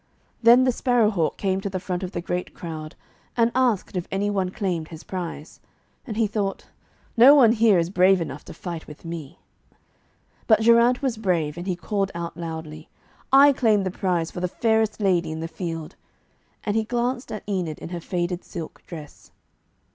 Then the Sparrow hawk came to the front of the great crowd, and asked if any one claimed his prize. And he thought, 'No one here is brave enough to fight with me.' But Geraint was brave, and he called out loudly, 'I claim the prize for the fairest lady in the field.' And he glanced at Enid in her faded silk dress.